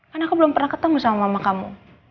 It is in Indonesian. karena aku belum pernah ketemu sama mama kamu